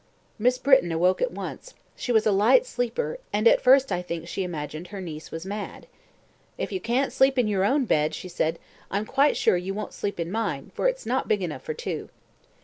Miss Britton awoke at once she was a light sleeper and at first I think she imagined her niece was mad. "If you can't sleep in your own bed," she said, "I'm quite sure you won't sleep in mine, for it's not big enough for two."